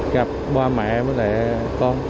gặp ba mẹ về con